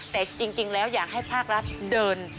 แต่จริงแล้วอยากให้ภาครัฐเดิน